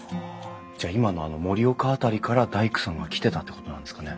じゃあ今の盛岡辺りから大工さんが来てたってことなんですかね。